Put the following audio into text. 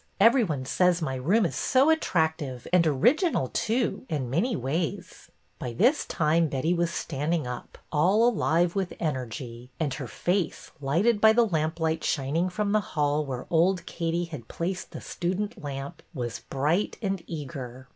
Every one says my room is so attractive, and original, too, in many ways." By this time Betty was standing up, all alive with energy, and her face, lighted by the lamp light shining from the hall where old Katie had placed the student lamp, was bright and eager.